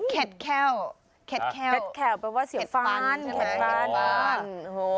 เคทแค่่วเคทแค่่วแบบว่าเศียบฟ้านไอะฟ้านโอ้โห